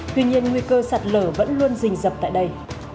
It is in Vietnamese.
tuy nhiên nguy cơ sạt lở vẫn luôn dình dập tại đây